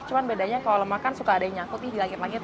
cuma bedanya kalau lemak kan suka ada yang nyakut ini langit langit